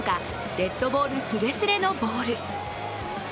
デッドボールすれすれのボール。